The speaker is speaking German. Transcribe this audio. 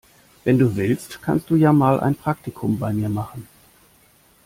Wenn du willst, kannst du ja mal ein Praktikum bei mir machen.